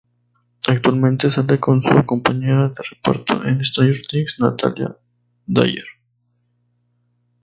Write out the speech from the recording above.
Actualmente sale con su compañera de reparto en Stranger Things, Natalia Dyer.